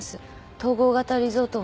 統合型リゾートを。